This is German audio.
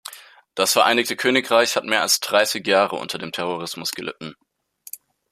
Das Vereinigte Königreich hat mehr als dreißig Jahre unter dem Terrorismus gelitten.